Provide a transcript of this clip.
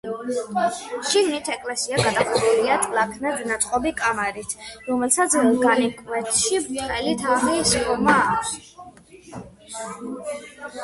შიგნით ეკლესია გადახურულია ტლანქად ნაწყობი კამარით, რომელსაც განივკვეთში ბრტყელი თაღის ფორმა აქვს.